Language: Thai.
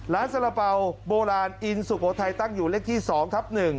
สาระเป๋าโบราณอินสุโขทัยตั้งอยู่เลขที่๒ทับ๑